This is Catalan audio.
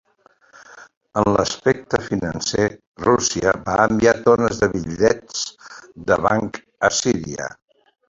En l'aspecte financer, Rússia va enviar tones de bitllets de banc a Síria.